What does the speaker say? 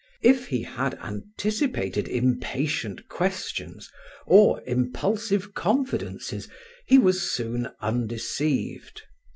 If he had anticipated impatient questions, or impulsive confidences, he was soon undeceived.